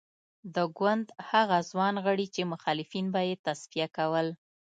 د ګوند هغه ځوان غړي چې مخالفین به یې تصفیه کول.